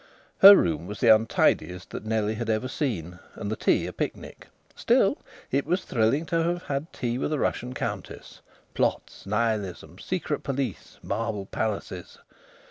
Her room was the untidiest that Nellie had ever seen, and the tea a picnic. Still, it was thrilling to have had tea with a Russian Countess.... (Plots! Nihilism! Secret police! Marble palaces!)....